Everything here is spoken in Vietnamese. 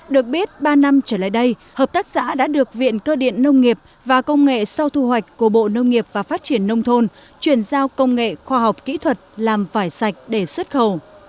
được biết ba năm trở lại đây hợp tác xã đã được viện cơ điện nông nghiệp và công nghệ sau thu hoạch của bộ nông nghiệp và phát triển nông thôn chuyển giao công nghệ khoa học kỹ thuật làm vải sạch để xuất khẩu